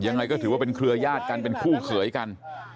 ยังไงก็ถือว่าเป็นเครือยาศกันเป็นคู่เขยกัน